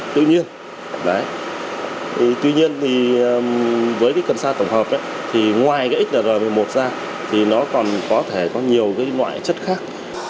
tự nhiên với cái cần sa tổng hợp thì ngoài cái xnr một mươi một ra thì nó còn có thể có nhiều cái loại chất khác